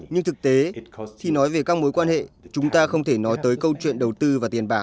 nhưng thực tế khi nói về các mối quan hệ chúng ta không thể nói tới câu chuyện đầu tư và tiền bạc